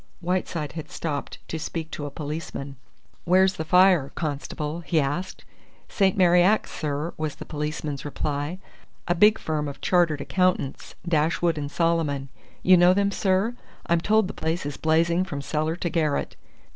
Whiteside had stopped to speak to a policeman. "Where's the fire, constable?" he asked. "St. Mary Axe, sir," was the policeman's reply. "A big firm of chartered accountants Dashwood and Solomon. You know them, sir? I'm told the place is blazing from cellar to garret."